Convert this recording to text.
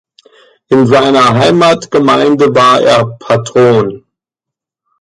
In seiner Heimatgemeinde war er Patron.